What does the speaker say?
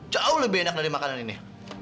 jauh lebih enak dari makanan ini